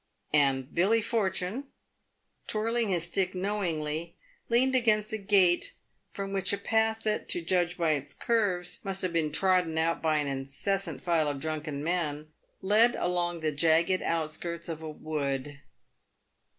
And Billy Fortune, twirling his stick knowingly, leaned against a gate, from which a path that — to judge by its curves, must have been trodden out by an incessant file of drunken men — led along the jagged outskirts of a wood.